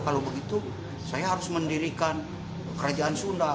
kalau begitu saya harus mendirikan kerajaan sunda